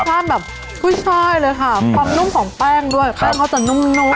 ความนุ่มของแป้งด้วยแป้งเขาจะนุ่ม